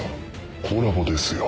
コラボですよ。